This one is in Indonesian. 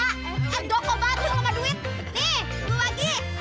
dokobantu sama duit